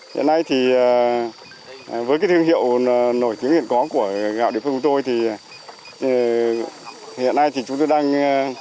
hiện nay thì với cái thương hiệu nổi tiếng hiện có của gạo địa phương của tôi thì hiện nay thì chúng tôi đang